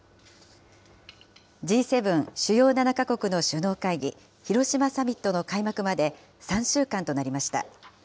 Ｇ７・主要７か国の首脳会議、広島サミットの開幕まで３週間となりました。